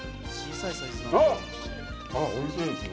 あっ、おいしいですね。